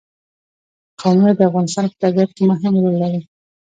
قومونه د افغانستان په طبیعت کې مهم رول لري.